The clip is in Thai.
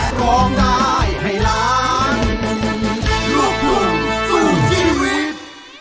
ดินทรงร่างฉันไว้ให้จม